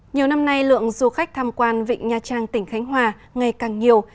nhiều năm nay lượng du khách tham quan vịnh nha trang tỉnh khánh hòa ngày càng nhiều